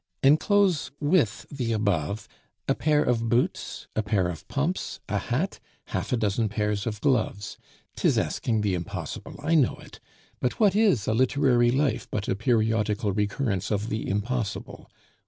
Enclose with the above a pair of boots, a pair of pumps, a hat, half a dozen pairs of gloves. 'Tis asking the impossible; I know it. But what is a literary life but a periodical recurrence of the impossible?